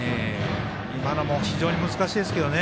今のも非常に難しいですけどね。